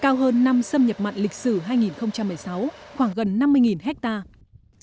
cao hơn năm xâm nhập mặn lịch sử hai nghìn một mươi sáu khoảng gần năm mươi hectare